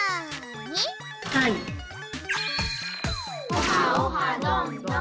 オハオハどんどん！